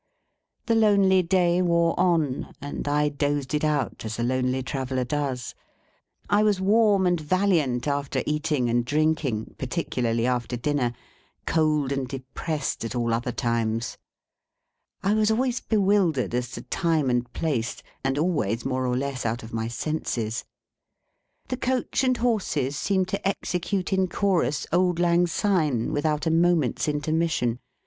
The lonely day wore on, and I dozed it out, as a lonely traveller does. I was warm and valiant after eating and drinking, particularly after dinner; cold and depressed at all other times. I was always bewildered as to time and place, and always more or less out of my senses. The coach and horses seemed to execute in chorus Auld Lang Syne, without a moment's intermission.